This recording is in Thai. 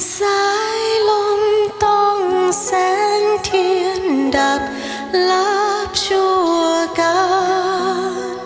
สายลมต้องแสงเทียนดักรับชั่วอาการ